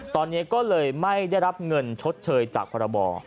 ตอนนี้ก็เลยไม่ได้รับเงินชดเชยจากพรบ